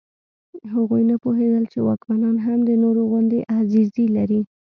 هغوی نه پوهېدل چې واکمنان هم د نورو غوندې غریزې لري.